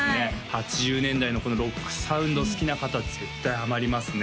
８０年代のこのロックサウンド好きな方絶対ハマりますね